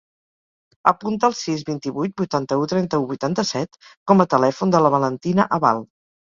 Apunta el sis, vint-i-vuit, vuitanta-u, trenta-u, vuitanta-set com a telèfon de la Valentina Abal.